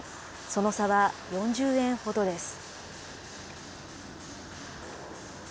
その差は４０円ほどです。